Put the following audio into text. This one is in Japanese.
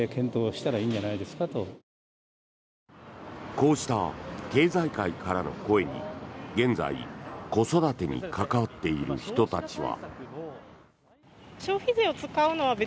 こうした経済界からの声に現在、子育てに関わっている人たちは。